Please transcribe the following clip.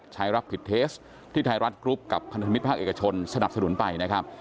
ใช้รับผิดเทสต์ที่ไทยรัฐกรุ๊ปกับพนักธรรมิตภาคเอกชนสนับสนุนไป